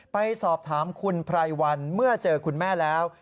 ไปสอบถามคุณไพรวันเมื่อเจอคุณแม่แล้ว